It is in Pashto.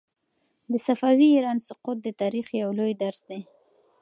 د صفوي ایران سقوط د تاریخ یو لوی درس دی.